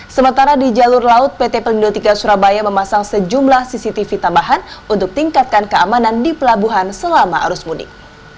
sementara di jalur laut pt pelindo tiga surabaya memasang sejumlah cctv tambahan untuk tingkatkan keamanan di pelabuhan selama arus mudik